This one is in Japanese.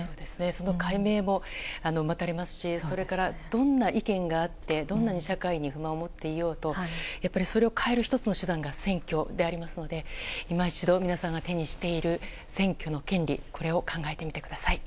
その解明も待たれますしそれからどんな意見があってどんなに社会に不満を持っていようとそれを変える１つの手段が選挙でありますので今一度、皆さんが手にしている選挙の権利を考えてみてください。